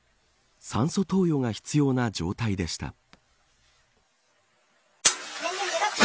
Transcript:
酸素投与が必要な状態でした。